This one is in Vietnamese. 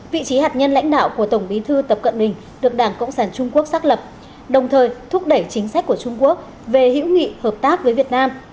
vị trí hạt nhân lãnh đạo của tổng bí thư tập cận bình được đảng cộng sản trung quốc xác lập đồng thời thúc đẩy chính sách của trung quốc về hữu nghị hợp tác với việt nam